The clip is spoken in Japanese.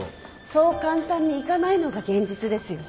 そう簡単にいかないのが現実ですよ。